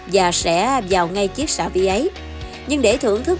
và sẽ vào ngay chiếc xà vi ấy nhưng để thưởng thức